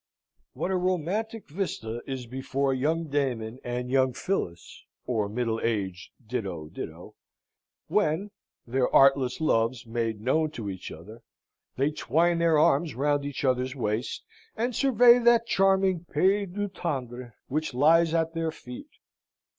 What a romantic vista is before young Damon and young Phillis (or middle aged ditto ditto) when, their artless loves made known to each other, they twine their arms round each other's waists and survey that charming pays du tendre which lies at their feet!